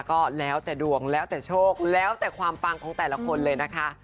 ก็แล้วแต่ดวงแล้วแต่โชคแล้วแต่ความปังของแต่ละคนเลยนะคะ